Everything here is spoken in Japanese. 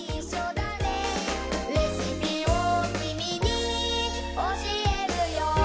「レシピをキミにおしえるよ」